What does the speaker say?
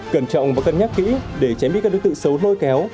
cẩn trọng và cân nhắc kỹ để tránh bị các đối tượng xấu lôi kéo